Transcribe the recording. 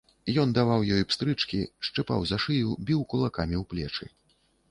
Ён ёй даваў пстрычкі, шчыпаў за шыю, біў кулакамі ў плечы.